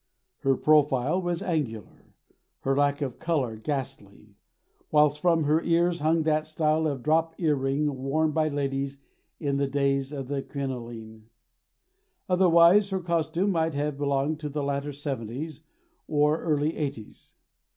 Her profile was angular, her lack of colour ghastly, whilst from her ears hung that style of drop earring worn by ladies in the days of the crinoline; otherwise her costume might have belonged to the latter seventies or early eighties.